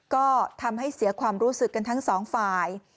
ก็ทำให้เสียความรู้สึกกันทั้งสองฝ่าย